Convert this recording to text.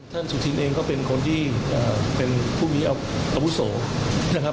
สุธินเองก็เป็นคนที่เป็นผู้มีอาวุโสนะครับ